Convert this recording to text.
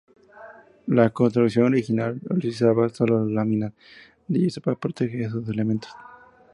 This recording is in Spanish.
La construcción original utilizaba solo láminas de yeso para proteger esos elementos.